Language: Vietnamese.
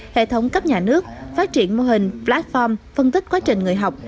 hệ thống cấp nhà nước phát triển mô hình platform phân tích quá trình người học